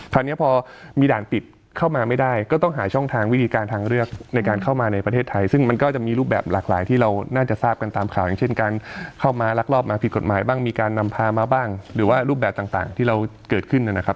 คราวนี้พอมีด่านปิดเข้ามาไม่ได้ก็ต้องหาช่องทางวิธีการทางเลือกในการเข้ามาในประเทศไทยซึ่งมันก็จะมีรูปแบบหลากหลายที่เราน่าจะทราบกันตามข่าวอย่างเช่นการเข้ามาลักลอบมาผิดกฎหมายบ้างมีการนำพามาบ้างหรือว่ารูปแบบต่างที่เราเกิดขึ้นนะครับ